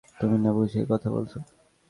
তুমি না বুঝেই কথা বলছো।